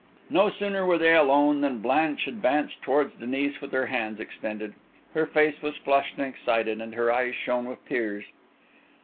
No sooner were they alone than Blanche advanced towards Denis with her hands extended. Her face was flushed and excited, and her eyes shone with tears.